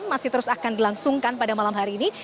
masih terus akan dilangsungkan pada malam hari ini